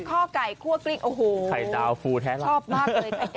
ข้อไก่คั่วกลิ้งโอ้โหไข่ดาวฟูแท้เราชอบมากเลยไก่